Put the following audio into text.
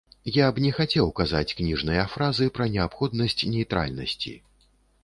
Я б не хацеў казаць кніжныя фразы пра неабходнасць нейтральнасці.